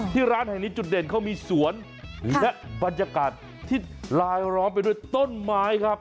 ร้านแห่งนี้จุดเด่นเขามีสวนและบรรยากาศที่ลายล้อมไปด้วยต้นไม้ครับ